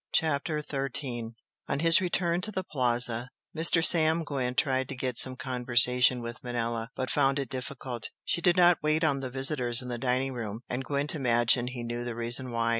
CHAPTER XIII On his return to the Plaza Mr. Sam Gwent tried to get some conversation with Manella, but found it difficult. She did not wait on the visitors in the dining room, and Gwent imagined he knew the reason why.